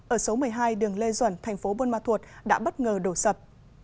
ở số một mươi hai đường lê duẩn thành phố buôn ma thuột đã bất ngờ đổ sập